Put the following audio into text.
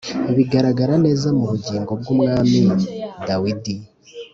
Bigaragara neza mu bugingo bw'umwami Dawidi